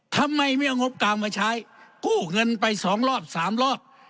ทำไมไม่เอางบกลางมาใช้กู้เงินไปสองรอบสามรอบ